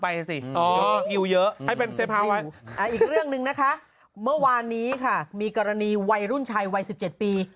อีกเรื่องหนึ่งนะคะเมื่อวานนี้ค่ะมีกรณีวัยรุ่นชายวัย๑๗ปี